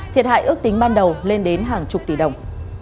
thiệt hại ước tính ban đầu lên đến hàng chục tỷ đồng